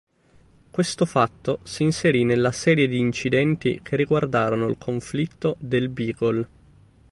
Questo fatto s'inserì nella serie di incidenti che riguardarono il conflitto del Beagle.